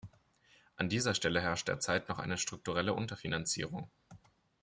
An dieser Stelle herrscht derzeit noch eine strukturelle Unterfinanzierung.